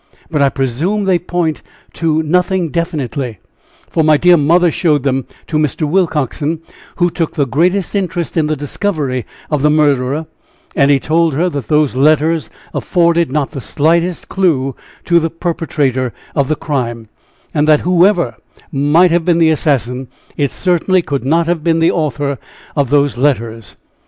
But I presume they point to nothing definitely, for my dear mother showed them to Mr. Willcoxen, who took the greatest interest in the discovery of the murderer, and he told her that those letters afforded not the slightest clue to the perpetrator of the crime, and that whoever might have been the assassin, it certainly could not have been the author of those letters.